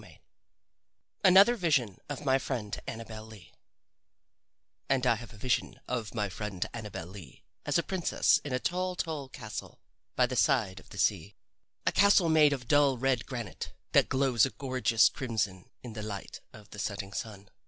XVIII ANOTHER VISION OF MY FRIEND ANNABEL LEE And I have a vision of my friend Annabel Lee as a princess in a tall, tall castle by the side of the sea a castle made of dull red granite that glows a gorgeous crimson in the light of the setting sun.